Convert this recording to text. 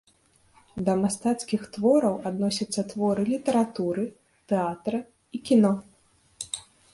Да мастацкіх твораў адносяцца творы літаратуры, тэатра і кіно.